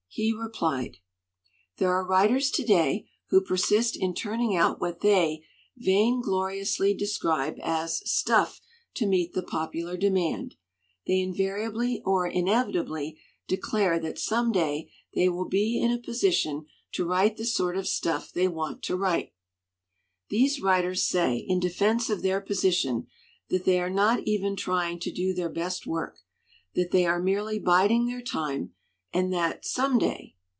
He replied: "There are writers to day who persist in turn ing out what they vaingloriously describe as 'stuff to meet the popular demand.' They invariably or inevitably declare that some day they will 'be 1 60 MAGAZINES CHEAPEN FICTION in a position to write the sort of stuff they want to write/ "These writers say, in defense of their position, that they are not even trying to do their best work, that they are merely biding their time, and that some day!